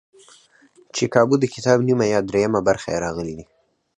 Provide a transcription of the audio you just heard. چې کابو دکتاب نیمه یا درېیمه برخه یې راغلي دي.